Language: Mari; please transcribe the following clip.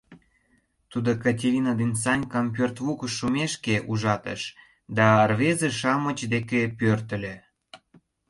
Тудо Катерина ден Санькам пӧрт лукыш шумешке ужатыш да рвезе-шамыч деке пӧртыльӧ.